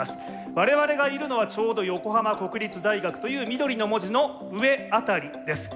我々がいるのはちょうど横浜国立大学という緑の文字の上あたりです。